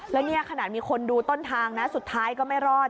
แล้วเนี่ยขนาดมีคนดูต้นทางนะสุดท้ายก็ไม่รอด